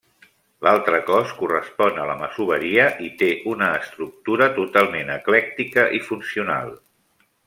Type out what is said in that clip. L'altre cos correspon a la masoveria i té una estructura totalment eclèctica i funcional.